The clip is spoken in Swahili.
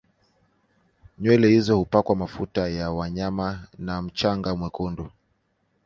Nywele hizo hupakwa mafuta ya wanyama na mchanga mwekundu